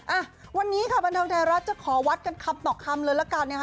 อ่ะวันนี้ค่ะบันเทิงไทยรัฐจะขอวัดกันคำต่อคำเลยละกันนะคะ